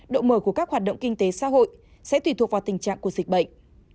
độ mở của các hoạt động kinh tế xã hội sẽ tùy thuộc vào tình trạng của dịch bệnh